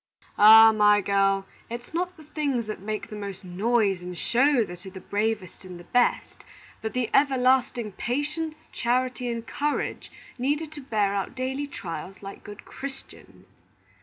"Ah, my girl, it's not the things that make the most noise and show that are the bravest and the best; but the everlasting patience, charity, and courage needed to bear our daily trials like good Christians."